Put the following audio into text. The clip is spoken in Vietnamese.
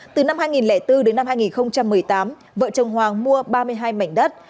từ năm hai nghìn bốn đến năm hai nghìn một mươi tám vợ chồng hoàng mua ba mươi hai mảnh đất